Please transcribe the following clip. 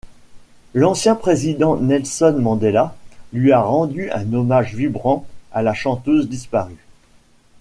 L'ancien président Nelson Mandela lui a rendu un hommage vibrant à la chanteuse disparue.